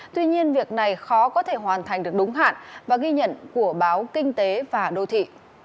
tuy nhiên việc này khó có thể hoàn thành được đúng hạn và ghi nhận của báo kinh tế và đô thị